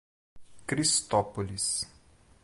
Cristópolis